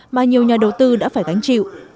và nhiều nhà đầu tư đã phải đánh chịu